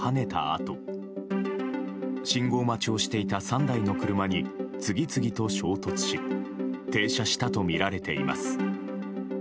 あと信号待ちをしていた３台の車に次々と衝突し停車したとみられています。